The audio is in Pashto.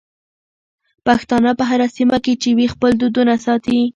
پښتانه په هره سيمه کې چې وي خپل دودونه ساتي.